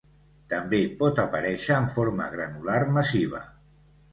També pot aparèixer en forma granular massiva.